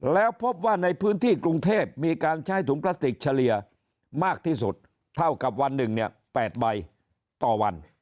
แล้วพบว่าในพื้นที่กรุงเทพมีการใช้ถุงพลาสติกเฉลี่ยมากที่สุดเท่ากับวันหนึ่งเนี่ย๘ใบต่อวัน